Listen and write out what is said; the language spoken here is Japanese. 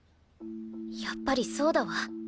やっぱりそうだわ。